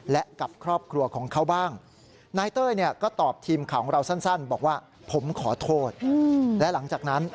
และกับครอบครัวของเขาบ้าง